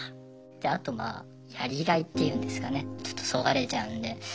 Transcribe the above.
であとまあやりがいっていうんですかねちょっとそがれちゃうんで。